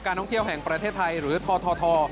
ท่องเที่ยวแห่งประเทศไทยหรือทท